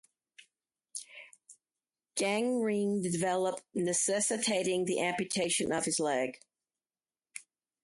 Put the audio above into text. Gangrene developed, necessitating the amputation of his leg.